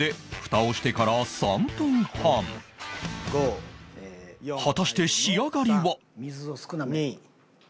果たして仕上がりは